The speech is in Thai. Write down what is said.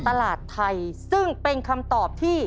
ตลาดไทยซึ่งเป็นคำตอบที่